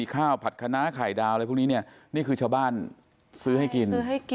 ข้าวผัดคณะไข่ดาวอะไรพวกนี้เนี่ยนี่คือชาวบ้านซื้อให้กิน